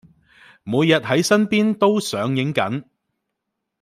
每日喺身邊都上映緊